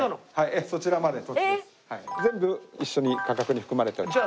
全部一緒に価格に含まれております。